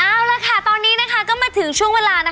เอาละค่ะตอนนี้นะคะก็มาถึงช่วงเวลา